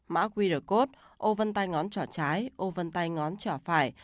mã quy đờ cốt ô vân tay ngón trỏ trái ô vân tay ngón trỏ phải